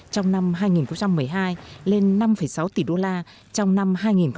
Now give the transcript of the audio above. trong năm hai nghìn một mươi hai lên năm sáu tỷ đô la trong năm hai nghìn một mươi tám